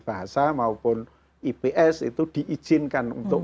bahasa maupun ips itu diizinkan untuk